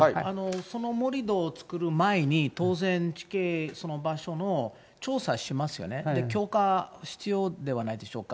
その盛り土を作る前に当然、地形、その場所の調査をしますよね、許可必要ではないでしょうか。